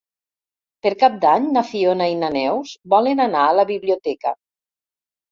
Per Cap d'Any na Fiona i na Neus volen anar a la biblioteca.